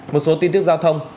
một số tin tức giao thông